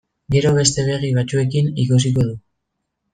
Gero beste begi batzuekin ikusiko du.